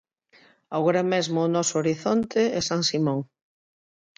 Agora mesmo o noso horizonte é San Simón.